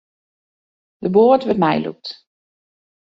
De boat wurdt meilûkt.